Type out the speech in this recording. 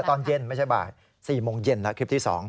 ตอนเย็นไม่ใช่บ่าย๔โมงเย็นนะคลิปที่๒